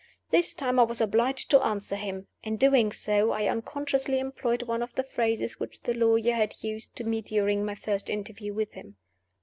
This time I was obliged to answer him. In doing so, I unconsciously employed one of the phrases which the lawyer had used to me during my first interview with him.